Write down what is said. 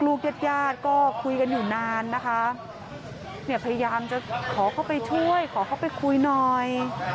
ทุกญาติก็คุยกันอยู่นานพยายามจะขอเข้าไปช่วยขอเข้าไปคุยหน่อย